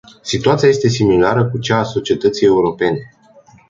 Situația este similară cu cea a societății europene.